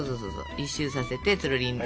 １周させてつるりんと。